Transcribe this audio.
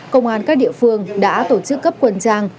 công an các địa phương đã tổ chức cấp quân trang